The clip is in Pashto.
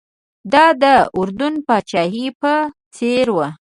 دا د اردن پاچاهۍ په څېر و.